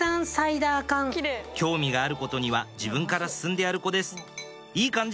興味があることには自分から進んでやる子ですいい感じ！